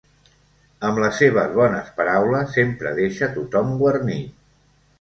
Amb les seves bones paraules, sempre deixa tothom guarnit.